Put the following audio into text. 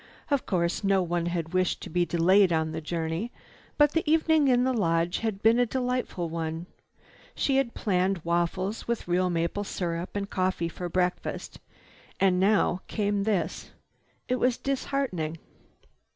Of course no one had wished to be delayed on the journey, but the evening in the lodge had been a delightful one. She had planned waffles with real maple syrup and coffee for breakfast. And now came this. It was disheartening.